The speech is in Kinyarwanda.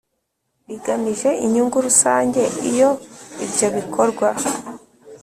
Bigamije inyungu rusange iyo ibyo bikorwa